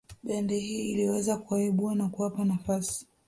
Bendi hii iliweza kuwaibua na kuwapa nafasi